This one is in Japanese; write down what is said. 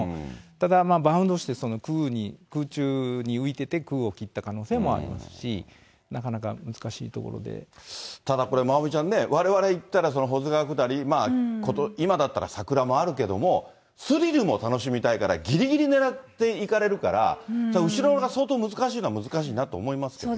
ただバウンドして空に、空中に浮いてて空を切った可能性もありますし、なかなか難しいとただこれ、まおみちゃんね、われわれいったら、保津川下り、今だったら桜もあるけれども、スリルも楽しみたいから、ぎりぎり狙って行かれるから、たぶん後ろの方、相当難しいのは難しいなと思いますよね。